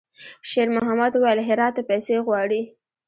شېرمحمد وويل: «هرات ته پیسې غواړي.»